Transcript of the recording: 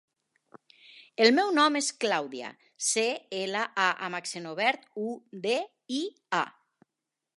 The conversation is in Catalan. El meu nom és Clàudia: ce, ela, a amb accent obert, u, de, i, a.